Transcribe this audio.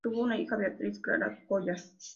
Tuvo una hija: Beatriz Clara Coya.